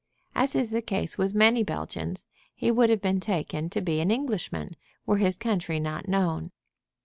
As is the case with many Belgians, he would have been taken to be an Englishman were his country not known.